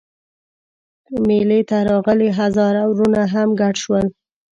مېلې ته راغلي هزاره وروڼه هم ګډ شول.